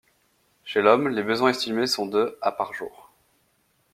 Chez l'homme, les besoins estimés sont de à par jour.